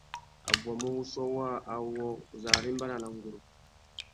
A bwamú wuchiô waā awô, uzu arimbana na nguru.